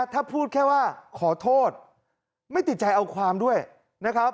ถ้าพูดแค่ว่าขอโทษไม่ติดใจเอาความด้วยนะครับ